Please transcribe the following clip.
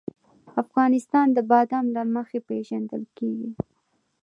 افغانستان د بادام له مخې پېژندل کېږي.